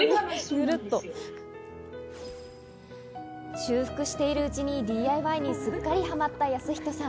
修復しているうちにＤＩＹにすっかりはまった祥人さん。